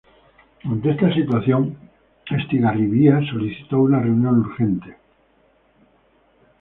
Ante esta situación Estigarribia solicitó una reunión urgente.